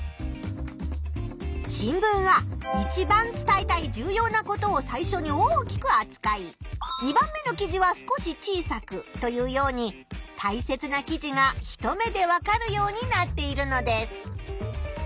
新聞はいちばん伝えたい重要なことを最初に大きくあつかい２番目の記事は少し小さくというようにたいせつな記事が一目でわかるようになっているのです。